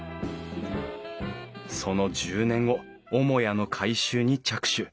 その１０年後主屋の改修に着手。